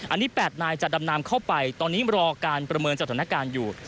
อันนี้๘นายจะดำน้ำเข้าไปตอนนี้รอการประเมินสถานการณ์อยู่